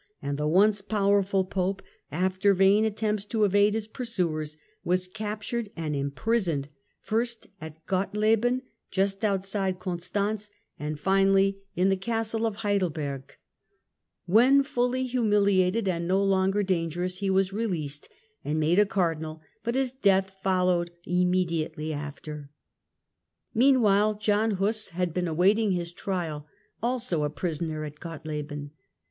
, and the once powerful Pope, after vain attempts to evade ■'^^^ his pursuers, was captured and imprisoned ; first at Gotleben just outside Constance, and finally in the castle EMPIRE AND PAPACY, 1414 1453 159 of Heidelberg, When fully humiliated and no longer dangerous he was released and made a Cardinal, but his death followed immediately after. Meanwhile John Huss had been awaiting his trial, also a prisoner at Gotleben.